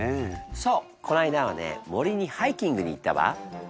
そうこの間はね森にハイキングに行ったわ。